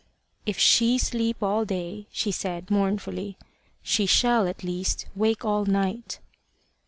"If she sleep all day," she said, mournfully, "she shall, at least, wake all night."